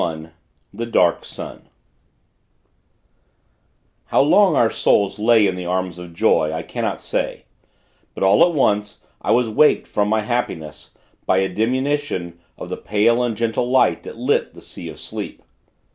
XXI THE DARK SUN How long our souls lay in the arms of joy, I cannot say; but, all at once, I was waked from my happiness, by a diminution of the pale and gentle light that lit the Sea of Sleep.